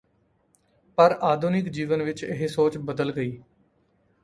ਪਰ ਆਧੁਨਿਕ ਜੀਵਨ ਵਿੱਚ ਇਹ ਸੋਚ ਬਦਲ ਗਈ